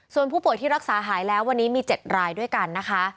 ส่วนผู้ป่วยที่รักษาหายแล้ววันนี้มี๗รายด้วยกันนะคะ